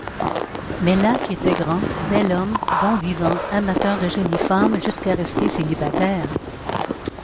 Meilhac était grand, bel homme, bon vivant, amateur de jolies femmes jusqu'à rester célibataire.